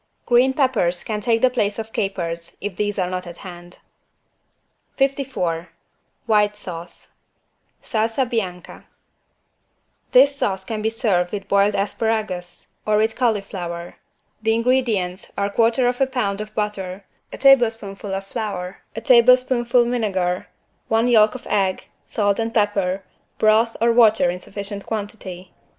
Green Peppers can take the place of capers, if these are not at hand. 54 WHITE SAUCE (Salsa bianca) This sauce can be served with boiled asparagus or with cauliflower. The ingredients are 1/4 lb. of butter, a tablespoonful of flour, a tablespoonful vinegar, one yolk of egg, salt and pepper, broth or water in sufficient quantity.